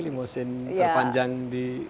limousin terpanjang di